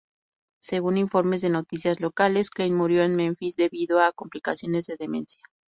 Según informes de noticias locales, Klein murió en Memphis debido a complicaciones de demencia.